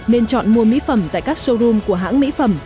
nên chọn mua mỹ phẩm tại các showroom của hãng mỹ phẩm